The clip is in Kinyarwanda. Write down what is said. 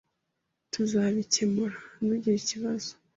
Tuzabikemura. Ntugire ikibazo.